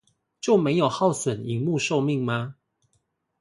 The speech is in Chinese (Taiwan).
就沒有耗損螢幕壽命嗎